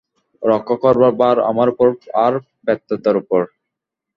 রক্ষা করবার ভার আমার উপর আর প্রেতাত্মার উপর।